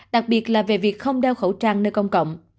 đặc biệt là về việc không đeo khẩu trang nơi công cộng